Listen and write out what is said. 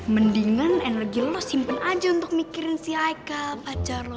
mendingan energi lo simpen aja untuk mikirin si aika pacar lo